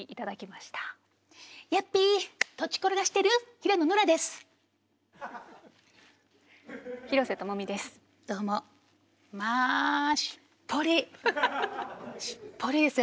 しっぽりですよ。